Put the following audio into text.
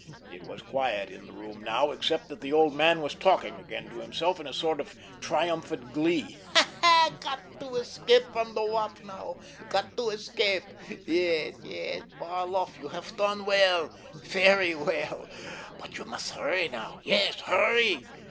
It was quiet in the room now except that the old man was talking again to himself, in a sort of triumphant glee: "Ha, ha—got to escape from the Wop now—got to escape——yes, yes, Barloff, you have done well, very well—but you must hurry now—yes, hurry."